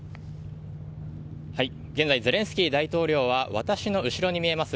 現在、ゼレンスキー大統領は私の後ろに見えます